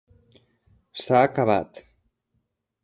S'ha Acabat!